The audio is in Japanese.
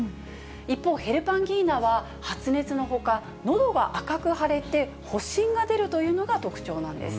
一方、ヘルパンギーナは発熱のほか、のどが赤く腫れて発疹が出るというのが特徴なんです。